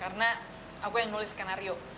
karena aku yang nulis skenario